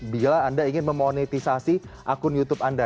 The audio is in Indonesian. bila anda ingin memonetisasi akun youtube anda